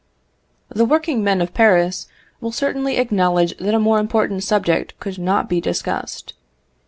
The working men of Paris will certainly acknowledge that a more important subject could not be discussed.